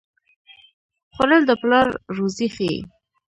خوړل د پلار روزي ښيي